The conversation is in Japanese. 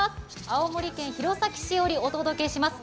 青森県弘前市よりお届けします。